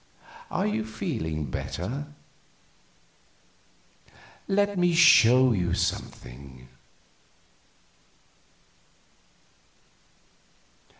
Are you feeling better? Let me show you something."